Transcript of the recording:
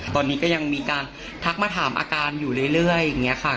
ตอนนี้ก็ยังมีการทักมาถามอาการอยู่เรื่อยอย่างนี้ค่ะ